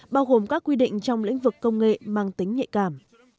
bao gồm các quy định trong lĩnh vực công nghệ mang tính nhạy cảm